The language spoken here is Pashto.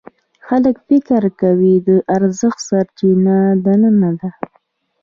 خلک فکر کوي د ارزښت سرچینه دننه ده.